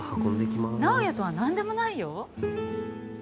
直哉とは何でもないよ